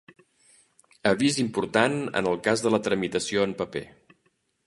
Avís important en el cas de la tramitació en paper.